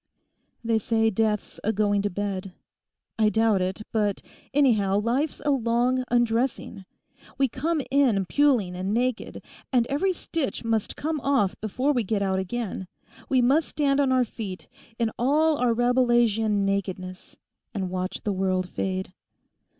_ They say death's a going to bed; I doubt it; but anyhow life's a long undressing. We came in puling and naked, and every stitch must come off before we get out again. We must stand on our feet in all our Rabelaisian nakedness, and watch the world fade.